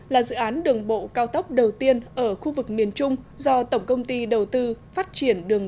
là dự án đường bộ cao tốc đầu tiên ở khu vực miền trung do tổng công ty đầu tư phát triển đường